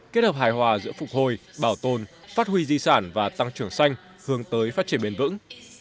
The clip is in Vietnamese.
kết hợp hài hòa giữa phục hồi bảo tồn phát huy di sản và tăng trưởng xanh hướng tới phát triển bền vững